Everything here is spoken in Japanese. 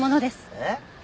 えっ？